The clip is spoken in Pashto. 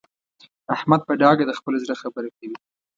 احمد په ډاګه د خپل زړه خبره کوي.